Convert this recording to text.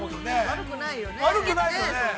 ◆悪くないよね。